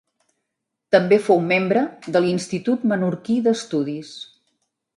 També fou membre de l'Institut Menorquí d'Estudis.